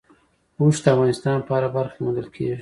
اوښ د افغانستان په هره برخه کې موندل کېږي.